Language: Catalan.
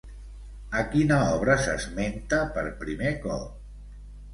A quina obra s'esmenta per primer cop?